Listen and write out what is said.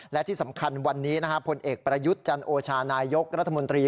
และที่สำคัญวันนี้ผลเอกประยุทธ์จันโอชานายกรัฐมนตรี